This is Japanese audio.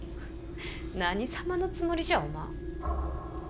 何様のつもりじゃ、お万。